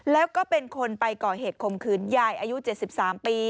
แล้วก็เป็นคนไปก่อเหตุคมขืนยายอายุ๗๓ปี